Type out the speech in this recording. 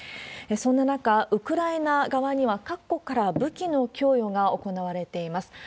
そんな中、ウクライナ側には各国から武器の供与が行われています。